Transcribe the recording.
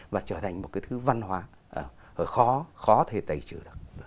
và trở thành một cái thứ văn hóa khó khó thể tẩy trừ được